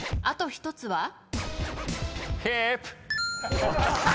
あと１つは？